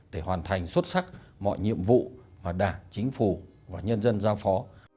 để hoàn thành xuất sắc mọi nhiệm vụ mà đảng chính phủ và nhân dân giao phó